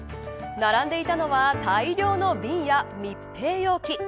並んでいたのは大量の瓶や密閉容器。